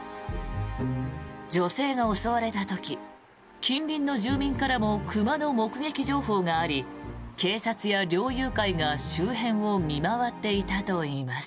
女性が襲われた時近隣の住民からも熊の目撃情報があり警察や猟友会が周辺を見回っていたといいます。